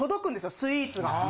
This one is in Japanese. スイーツが。